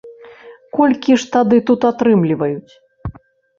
Колькі ж тады тут атрымліваюць?